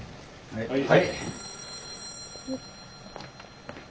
はい。